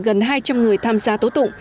gần hai trăm linh người tham gia tố tụng